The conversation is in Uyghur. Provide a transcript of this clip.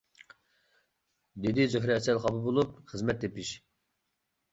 -دېدى زۆھرە سەل خاپا بولۇپ، -خىزمەت تېپىش.